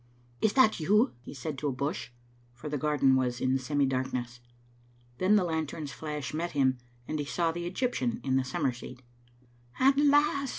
"Is that you?" he said to a bush, for the garden was Digitized by VjOOQ IC in semi darkness. Then the lantern's flash met him, and he saw the Egyptian in the summer seat "At last!"